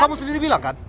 kamu sendiri bilang kan